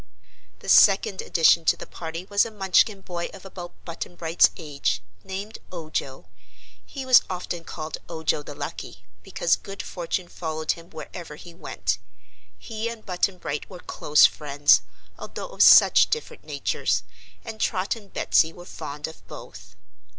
The second addition to the party was a Munchkin boy of about Button Bright's age, named Ojo. He was often called "Ojo the Lucky," because good fortune followed him wherever he went. He and Button Bright were close friends, although of such different natures, and Trot and Betsy were fond of both.